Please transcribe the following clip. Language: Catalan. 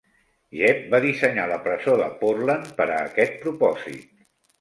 Jebb va dissenyar la presó de Portland per a aquest propòsit.